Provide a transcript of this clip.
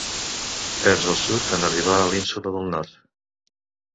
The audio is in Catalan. Perds el sud en arribar a l'ínsula del nord.